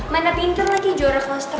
mainan pinter lagi jorek mas terus